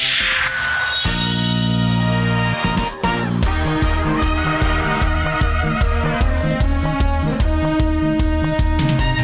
โปรดติดตามตอนต่อไป